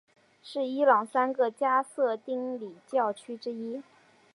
是伊朗三个加色丁礼教区之一。